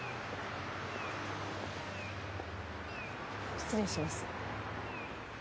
失礼します。